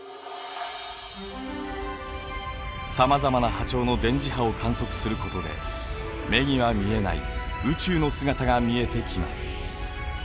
さまざまな波長の電磁波を観測することで目には見えない宇宙の姿が見えてきます。